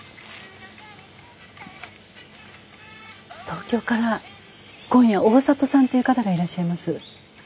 東京から今夜大里さんという方がいらっしゃいます。